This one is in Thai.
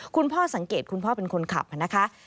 คุณพ่อสังเกตคุณพ่อเป็นคนขับนะคะ